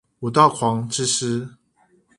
武道狂之詩